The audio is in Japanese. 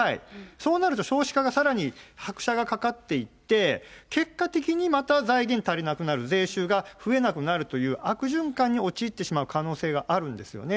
そうなると、少子化がさらに拍車がかかっていって、結果的にまた財源足りなくなる、税収が増えなくなるという悪循環に陥ってしまう可能性があるんですよね。